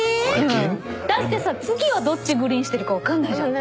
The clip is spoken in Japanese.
うんだってさ次はどっちグリンしてるかわかんないじゃん。